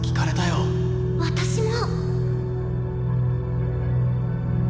私も！